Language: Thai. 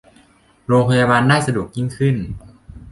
โรงพยาบาลได้สะดวกยิ่งขึ้น